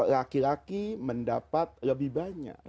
laki laki mendapat lebih banyak